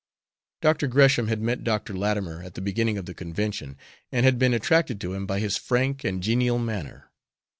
Dr. Gresham had met Dr. Latimer at the beginning of the convention, and had been attracted to him by his frank and genial manner.